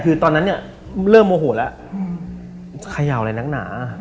แต่ตอนนั้นเริ่มโหม่หูแล้วขยัวเลยหนักหนา